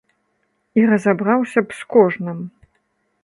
І разабраўся б з кожным.